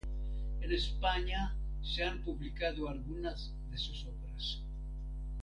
En España se han publicado algunas de sus obras.